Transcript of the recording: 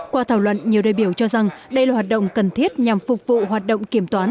qua thảo luận nhiều đại biểu cho rằng đây là hoạt động cần thiết nhằm phục vụ hoạt động kiểm toán